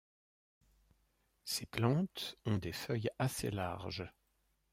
Ces plantes ont des feuilles assez larges.